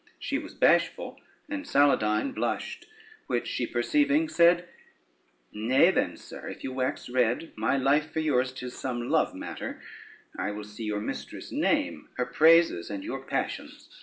She was bashful, and Saladyne blushed, which she perceiving, said: "Nay then, sir, if you wax red, my life for yours 'tis some love matter: I will see your mistress' name, her praises, and your passions."